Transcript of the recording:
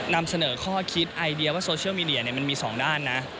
นำเสนอข้อคิดไอเดียว่าโซเชียลมีเดียมันมี๒ด้านนะ